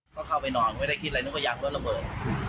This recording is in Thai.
ก็เข้าไปนอนไม่ได้คิดอะไรนึกว่ายางรถระเบิด